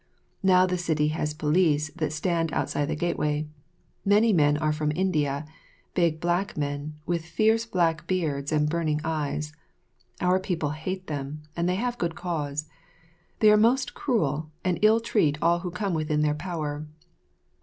Now the city has police that stand outside the gateway. Many are men from India big black men, with fierce black beards and burning eyes. Our people hate them, and they have good cause. They are most cruel, and ill treat all who come within their power.